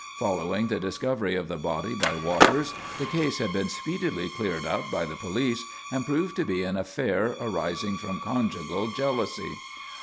Following the discovery of the body by Waters the case had been speedily cleared up by the police and proved to be an affair arising from conjugal jealousy.